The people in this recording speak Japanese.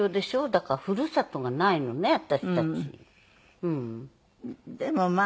だからふるさとがないのね私たち。